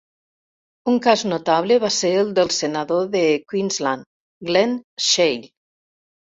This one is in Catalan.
Un cas notable va ser el del senador de Queensland Glen Sheil.